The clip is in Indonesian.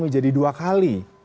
menjadi dua kali